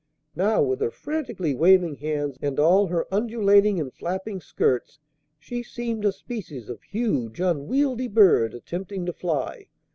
Now, with her frantically waving hands, and all her undulating and flapping skirts, she seemed a species of huge, unwieldy bird, attempting to fly.